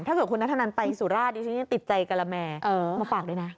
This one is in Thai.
ถ้าเกิดคุณนัทธนันไปสุราชดิฉันยังติดใจกะละแมมาฝากด้วยนะ